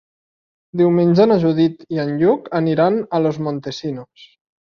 Diumenge na Judit i en Lluc aniran a Los Montesinos.